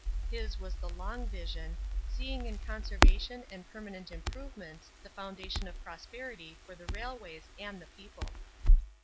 His was the long vision, seeing in conservation and permanent improvements the foundation of prosperity for the railways and the people.